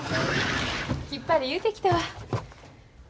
きっぱり言うてきたわ。